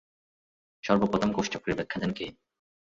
সর্বপ্রথম কোষচক্রের ব্যাখ্যা দেন কে?